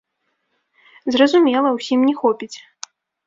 Зразумела, усім не хопіць.